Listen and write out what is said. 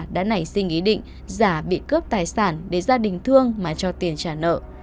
đã nảy sinh ý định giả bị cướp tài sản để gia đình thương mà cho tiền trả nợ